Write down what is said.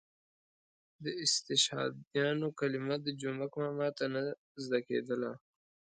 د استشهادیانو کلمه د جومک ماما ته نه زده کېدله.